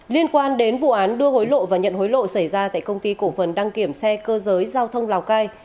liên quan đến vụ án đưa hối lộ và nhận hối lộ xảy ra tại công ty cổ phần đăng kiểm xe cơ giới giao thông lào cai